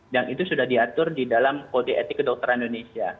dan itu sudah diatur di dalam kode etik ke dokteran indonesia